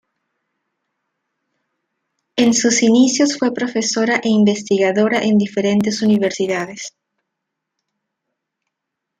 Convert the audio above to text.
En sus inicios fue profesora e investigadora en diferentes universidades.